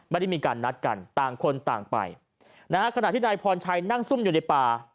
ไม่ได้มีการนัดกันต่างคนต่างไปนะฮะขณะที่นายพรชัยนั่งซุ่มอยู่ในป่า